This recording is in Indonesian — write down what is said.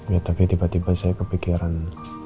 ya tapi tiba tiba saya kepikiran